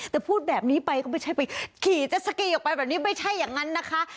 แต่พูดแบบนี้ไปก็ไม่ใช่ไปขี่เจ็ดสกีออกไปแบบนี้ไม่ใช่อย่างนั้นนะคะ